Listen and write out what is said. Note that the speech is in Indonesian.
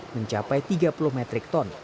mencapai tiga puluh metrik ton